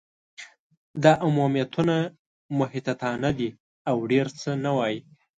دا عمومیتونه محتاطانه دي، او ډېر څه نه وايي.